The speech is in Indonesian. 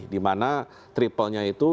dimana triple nya itu dikumpulkan ke dalam kebijakan